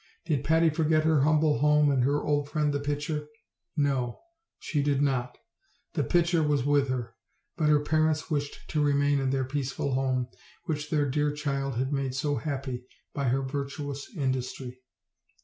Did Patty forget her humble home and her old friend the pitcher? No! she did not: the pitcher was with her, but her parents wished to remain in their peaceful home, which their dear child had made so happy by her vir tuous industry.